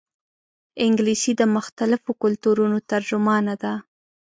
انګلیسي د مختلفو کلتورونو ترجمانه ده